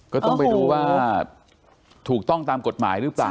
ก็ต้องไปรู้ว่าถูกต้องตามกฎหมายหรือเปล่า